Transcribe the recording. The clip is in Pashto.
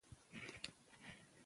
زمرد د افغانستان د جغرافیې بېلګه ده.